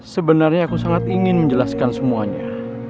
sebenarnya aku sangat ingin menjelaskan semuanya